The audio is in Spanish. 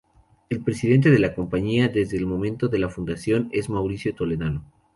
El presidente de la compañía, desde el momento de la fundación, es Mauricio Toledano.